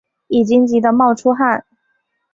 已经急的冒出汗